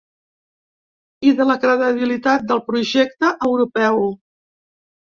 I de la credibilitat del projecte europeu.